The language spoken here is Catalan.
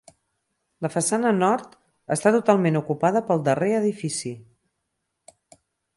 La façana nord està totalment ocupada pel darrer edifici.